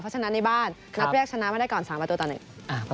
เพราะฉะนั้นในบ้านนัดแรกชนะมาได้ก่อนสามประตูต่อหนึ่ง